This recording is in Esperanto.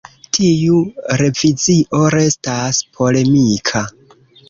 Tiu revizio restas polemika.